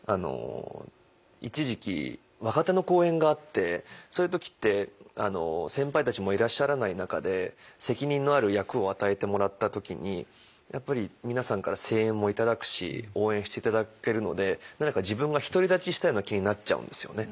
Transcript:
一時期若手の公演があってそういう時って先輩たちもいらっしゃらない中で責任のある役を与えてもらった時にやっぱり皆さんから声援も頂くし応援して頂けるので何か自分が独り立ちしたような気になっちゃうんですよね。